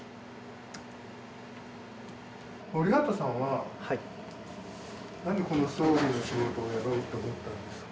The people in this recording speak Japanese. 森畑さんは何でこの葬儀の仕事をやろうって思ったんですか？